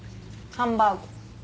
ハンバーグ。